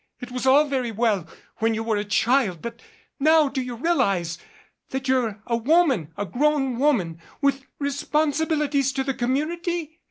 It was all very well when you were a child but now do you realize that you're a woman, a grown woman, with responsibilities to the community?